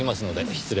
失礼。